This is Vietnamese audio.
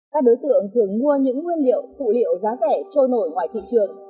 các đối tượng thường mua những nguyên liệu phụ liệu giá rẻ trôi nổi ngoài thị trường